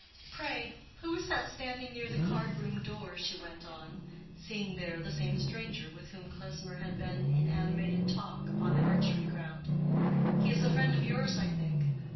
"Pray, who is that standing near the card room door?" she went on, seeing there the same stranger with whom Klesmer had been in animated talk on the archery ground. "He is a friend of yours, I think."